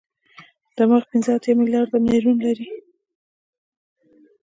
دماغ پنځه اتیا ملیارده نیورون لري.